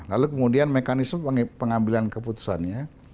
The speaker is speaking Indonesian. lalu kemudian mekanisme pengambilan keputusannya